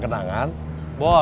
sampe uang masih an dashboard